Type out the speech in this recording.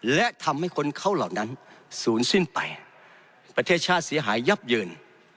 และทำให้คนเขาเหล่านั้นศูนย์สิ้นไปประเทศชาติเสียหายยับเยิน